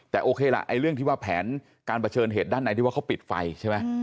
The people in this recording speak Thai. แต่โอเคล่ะเรื่องที่ว่าแผนการเผชิญเหตุด้านในที่ว่าเขาปิดไฟใช่ไหม